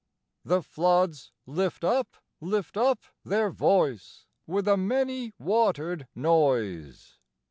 The floods lift up, lift up their voice, With a many watered noise!